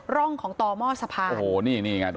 ร่องของตอม่อสะพานโอ้โหนี่อย่างนี้